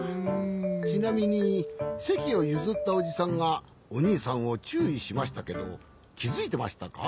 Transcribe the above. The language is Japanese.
ちなみにせきをゆずったおじさんがおにいさんをちゅういしましたけどきづいてましたか？